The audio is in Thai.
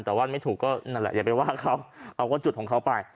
แต่ว่าไม่ถูกก็นั่นแหละอย่าไปว่าเขาเอาก็จุดของเขาไป